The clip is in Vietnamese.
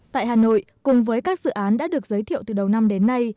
tại hà nội cùng với các dự án đã được giới thiệu từ đầu năm đến nay